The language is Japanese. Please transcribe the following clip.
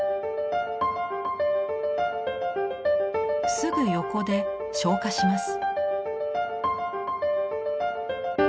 すぐ横で消火します。